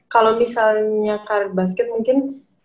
kalo misalnya karir basket mungkin